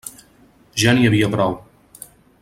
Ja n'hi havia prou.